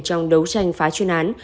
trong đấu tranh phá chuyên án